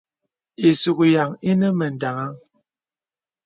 Ìsùk yàŋ ìnə mə daŋaŋ.